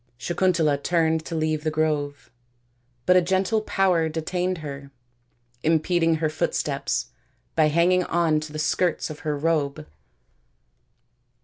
Sakuntala turned to leave the grove, but a gentle power detained her, impeding her footsteps by hanging on to the skirts of her robe.